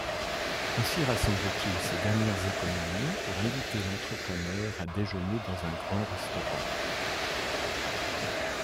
Ainsi rassemble-t-il ses dernières économies pour inviter l'entrepreneur à déjeuner dans un grand restaurant.